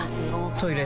トイレ